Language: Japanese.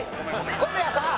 小宮さん！